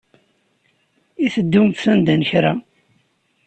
I teddumt sanda n kra?